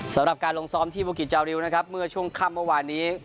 สำหรับการลงซ้อมที่บุกิจจาริวนะครับเมื่อช่วงค่ำเมื่อวานนี้